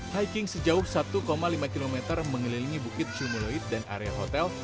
hiking sejauh satu lima km mengelilingi bukit cumuloid dan area hotel